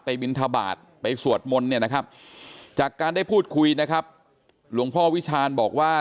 ไปบิณฑบาตไปสวดมนต์จากการได้พูดคุยหลวงพ่อวิชาบอกว่า